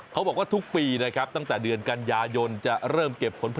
เขาบอกว่าทุกปีนะครับตั้งแต่เดือนกันยายนจะเริ่มเก็บผลผลิต